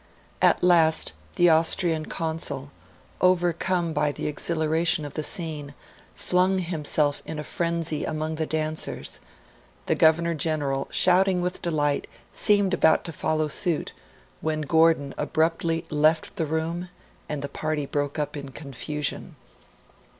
At last the Austrian Consul, overcome by the exhilaration of the scene, flung himself in a frenzy among the dancers; the Governor General, shouting with delight, seemed about to follow suit, when Gordon abruptly left the room, and the party broke up in confusion.